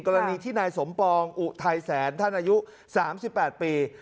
กรณีที่นายสมปองอุไทยแสนท่านอายุสามสิบแปดปี